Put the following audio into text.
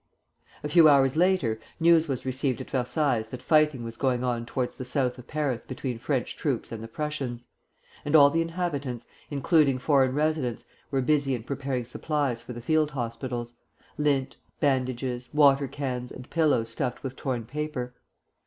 A few hours later, news was received at Versailles that fighting was going on towards the south of Paris between French troops and the Prussians; and all the inhabitants, including foreign residents, were busy in preparing supplies for the field hospitals, lint, bandages, water cans, and pillows stuffed with torn paper.